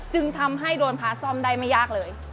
จึงทำให้โดนพาซ่อมได้ไม่ยากเลย